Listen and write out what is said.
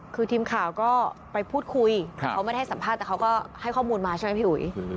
คือทีมข่าวก็ไปพูดคุยเขาไม่ได้ให้สัมภาษณ์แต่เขาก็ให้ข้อมูลมาใช่ไหมพี่อุ๋ย